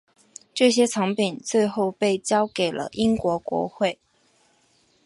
这些藏品最后被交给了英国国会。